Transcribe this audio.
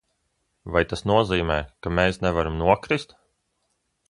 Vai tas nozīmē, ka mēs varam nokrist?